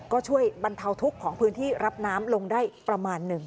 ก็ช่วยบรรเทาทุกข์ของพื้นที่รับน้ำลงได้ประมาณหนึ่ง